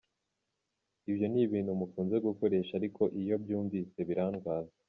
Ibyo ni ibintu mukunze gukoresha ariko iyo mbyumvise birandwaza.